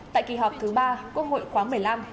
tại kỳ họp thứ ba quốc hội khóa một mươi năm